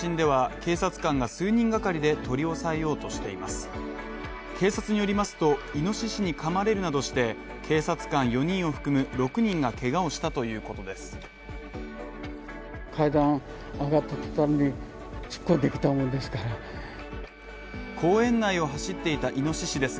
警察によりますと、イノシシにかまれるなどして、警察官４人を含む６人がけがをしたということです。